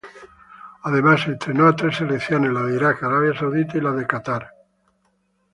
Además entrenó a tres selecciones, la de Irak, Arabia Saudita y la de Catar.